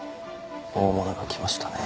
大物がきましたね。